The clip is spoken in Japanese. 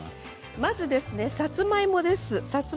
まず、さつまいもです。